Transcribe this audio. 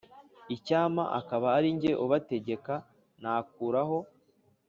Icyampa akaba ari jye ubategeka nakuraho